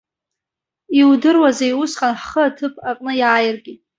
Иудыруазеи усҟан ҳхы аҭыԥ аҟны иааиргьы.